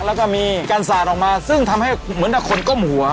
แล้วก็มีการสาดออกมาซึ่งทำให้เหมือนกับคนก้มหัว